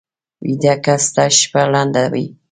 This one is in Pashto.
ویده کس ته شپه لنډه وي